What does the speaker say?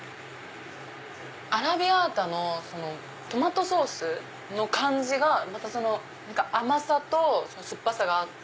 アラビアータのトマトソースの感じが甘さと酸っぱさがあって。